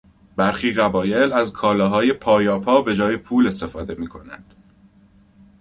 برخی قبایل از کالاهای پایاپا به جای پول استفاده میکنند.